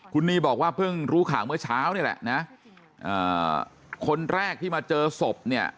คุณนีบอกว่าเพิ่งรู้ข่าวเมื่อเช้านี่แหละนะคนแรกที่มาเจอศพเนี่ย